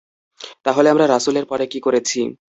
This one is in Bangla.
তা হলে আমরা রাসূলের পর কী করেছি?